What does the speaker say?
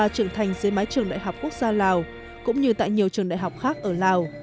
dưới mái trường đại học quốc gia lào cũng như tại nhiều trường đại học khác ở lào